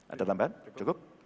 ada lambat cukup